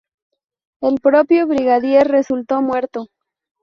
El propio brigadier resultó muerto.